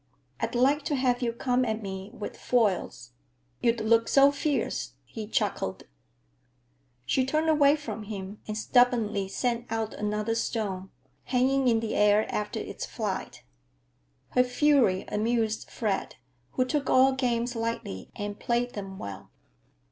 I'd like to have you come at me with foils; you'd look so fierce," he chuckled. She turned away from him and stubbornly sent out another stone, hanging in the air after its flight. Her fury amused Fred, who took all games lightly and played them well.